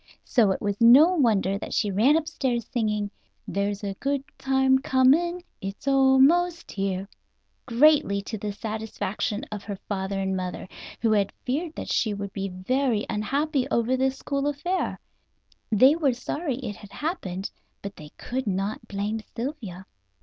So it was no wonder that she ran up stairs singing: "There's a good time coming, It's almost here," greatly to the satisfaction of her father and mother, who had feared that she would be very unhappy over the school affair. They were sorry it had happened, but they could not blame Sylvia.